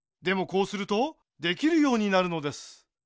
こうするとできるようになるのです。